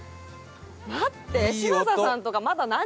待って！